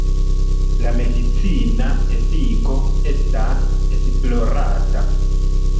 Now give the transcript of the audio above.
La medicina efiko estas esplorata.